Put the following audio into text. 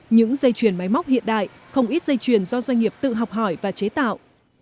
những dây chuyền máy móc hiện đại không ít dây chuyền do doanh nghiệp tự học hỏi và chế tạo